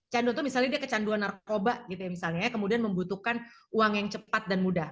jadwal misalnya kecanduan narkoba gitu misalnya kemudian membutuhkan uang yang cepat dan mudah